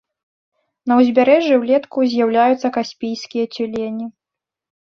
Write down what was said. На ўзбярэжжы ўлетку з'яўляюцца каспійскія цюлені.